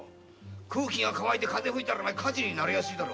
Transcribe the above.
空気が乾いて風が出りゃ火事になりやすいだろ。